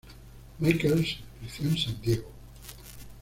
Michaels creció en San Diego.